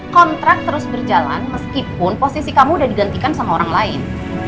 kontrak terus berjalan meskipun posisi kamu udah digantikan sama orang lain